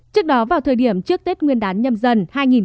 trước đó vào thời điểm trước tết nguyên đán nhâm dân hai nghìn hai mươi hai